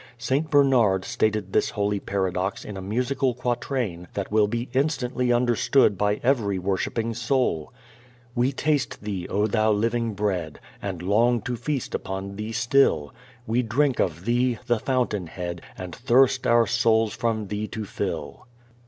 St. Bernard stated this holy paradox in a musical quatrain that will be instantly understood by every worshipping soul: We taste Thee, O Thou Living Bread, And long to feast upon Thee still: We drink of Thee, the Fountainhead And thirst our souls from Thee to fill.